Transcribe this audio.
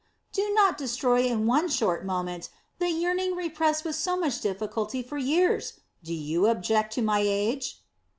"Do not destroy in one short moment the yearning repressed with so much difficulty for years! Do you object to my age?"